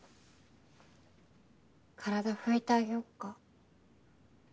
体拭いてあげよっか。